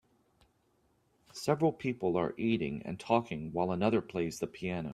Several people are eating and talking while another plays the piano.